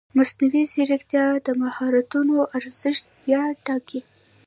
مصنوعي ځیرکتیا د مهارتونو ارزښت بیا ټاکي.